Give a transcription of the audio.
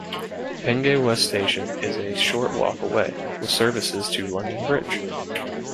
Penge West station is a short walk away, with services to London Bridge.